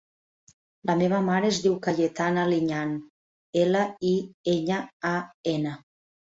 La meva mare es diu Cayetana Liñan: ela, i, enya, a, ena.